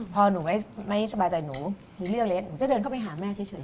พอหนูไม่สบายใจหนูมีเรื่องแล้วหนูจะเดินเข้าไปหาแม่เฉย